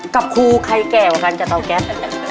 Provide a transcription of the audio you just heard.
กับครูใครแก่กว่ากันกับเตาแก๊ส